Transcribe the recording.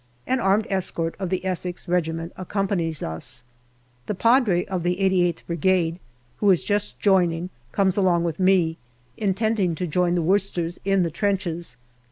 An armed escort of the Essex Regiment accompanies us. The Padre of the 88th Brigade, who is just joining, comes along with me, in tending to join the Worcesters in the trenches.